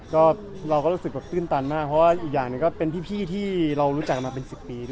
ก็เราก็รู้สึกแบบตื้นตันมากเพราะว่าอีกอย่างหนึ่งก็เป็นพี่ที่เรารู้จักกันมาเป็น๑๐ปีด้วย